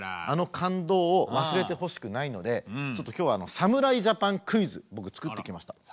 あの感動を忘れてほしくないのでちょっと今日は侍ジャパンクイズ僕作ってきました。